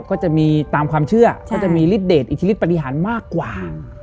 ก็จะมีตามความเชื่อก็จะมีฤทธเดชอิทธิฤทธปฏิหารมากกว่า